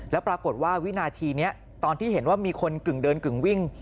แล้วปรากฏว่าวินาทีนี้ตอนที่เห็นว่ามีคนกึ่งเดินกึ่งวิ่ง